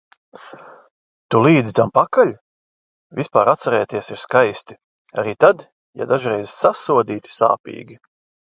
Tu līdi tam pakaļ? Vispār atcerēties ir skaisti. Arī tad, ja dažreiz sasodīti sāpīgi.